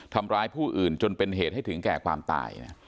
ทำร้ายผู้อื่นจนเป็นเหตุให้ถึงแก่ความตาย